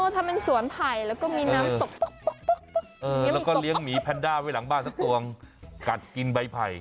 ทำเป็นสวนไผ่แล้วก็มีน้ำตกแล้วก็เลี้ยงหมีแพนด้าไว้หลังบ้านสักตวงกัดกินใบไผ่